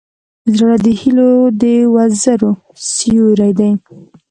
زړه د هيلو د وزرو سیوری دی.